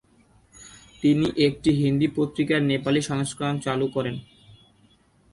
তিনি একটি হিন্দি পত্রিকার নেপালি সংস্করণ চালু করেন।